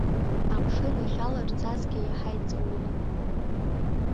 Амшын иахьаларҵазгьы иаҳа иҵаулоуп.